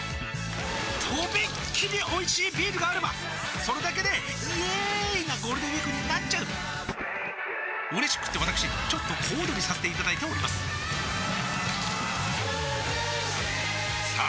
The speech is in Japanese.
とびっきりおいしいビールがあればそれだけでイエーーーーーイなゴールデンウィークになっちゃううれしくってわたくしちょっと小躍りさせていただいておりますさあ